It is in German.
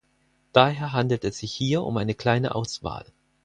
Daher handelt es sich hier um eine kleine Auswahl.